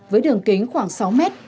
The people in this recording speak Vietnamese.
với đường kính khoảng sáu mét